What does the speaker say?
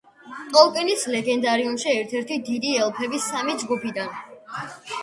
ტოლკინის ლეგენდარიუმში ერთ-ერთი დიდი ელფების სამი ჯგუფიდან.